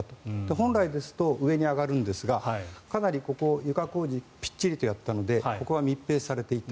本来ですと上に上がるんですがかなりここ、床工事ぴっちりとやったのでここが密閉されていた。